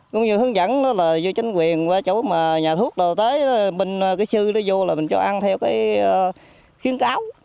cũng như hướng dẫn đó là vô chính quyền chỗ mà nhà thuốc đồ tới bình cái sư nó vô là mình cho ăn theo cái khuyến cáo